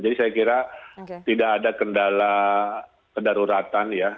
jadi saya kira tidak ada kendala kedaruratan ya